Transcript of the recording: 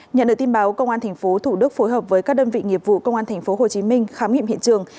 nhận được tin báo công an tp thủ đức phối hợp với các đơn vị nghiệp vụ công an tp hcm khám nghiệm hiện trường